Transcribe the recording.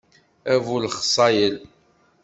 A bu lexṣayel.